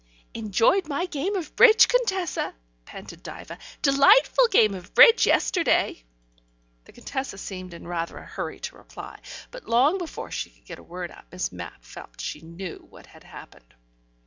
"Enjoyed my game of bridge, Contessa," panted Diva. "Delightful game of bridge yesterday." The Contessa seemed in rather a hurry to reply. But long before she could get a word out Miss Mapp felt she knew what had happened.